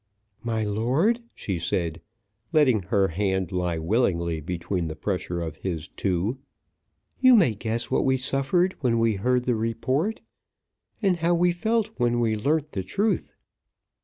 "My lord," she said, letting her hand lie willingly between the pressure of his two, "you may guess what we suffered when we heard the report, and how we felt when we learnt the truth."